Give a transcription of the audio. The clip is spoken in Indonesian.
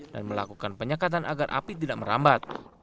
dan melakukan penyekatan agar api tidak merambat